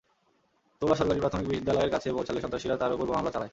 তোলা সরকারি প্রাথমিক বিদ্যালয়ের কাছে পৌঁছালে সন্ত্রাসীরা তাঁর ওপর বোমা হামলা চালায়।